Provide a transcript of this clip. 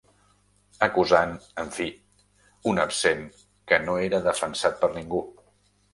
Acusant, en fi, un absent que no era defensat per ningú.